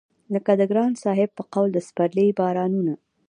لکه د ګران صاحب په قول د سپرلي بارانونه